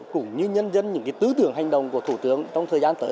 cũng như nhân dân những tứ tưởng hành động của thủ tướng trong thời gian tới